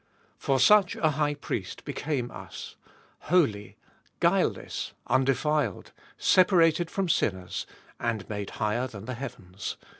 For such a High Priest became us, holy, guileless, undefiled, separated from sinners, and made higher than the heavens ; 27.